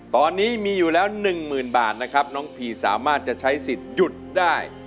ตอนนี้มีอยู่แล้ว๑หมื่นบาทนะครับน้องพีสามารถจะใช้สิทธิ์หยุดได้